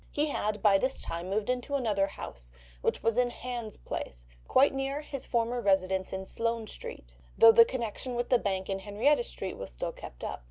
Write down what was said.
He had by this time moved into another house, which was in Hans Place, quite near his former residence in Sloane Street, though the connection with the bank in Henrietta Street was still kept up.